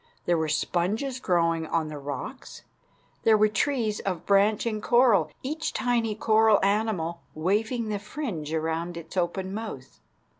There were sponges growing on the rocks. There were trees of branching coral, each tiny coral animal waving the fringe around its open mouth.